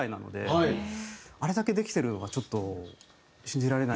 あれだけできてるのがちょっと信じられないですね。